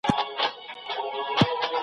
آس ډېر ژر پوه شو چې څه پېښېږي.